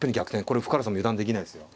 これ深浦さんも油断できないですよ。